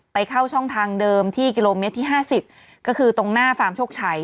เข้าช่องทางเดิมที่กิโลเมตรที่๕๐ก็คือตรงหน้าฟาร์มโชคชัย